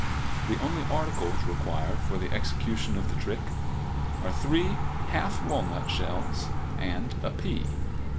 The only articles required for the execution of the trick are three half walnut shells and a pea.